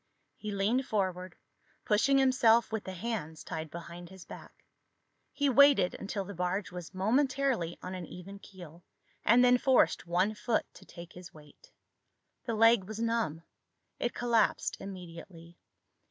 He leaned forward, pushing himself with the hands tied behind his back. He waited until the barge was momentarily on an even keel and then forced one foot to take his weight. The leg was numb. It collapsed immediately.